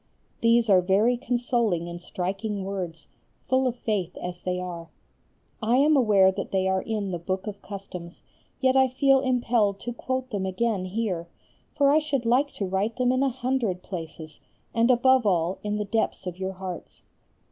These are very consoling and striking words, full of faith as they are. I am aware that they are in the Book of Customs, yet I feel impelled to quote them again here, for I should like to write them in a hundred places, and above all in the depths of your hearts.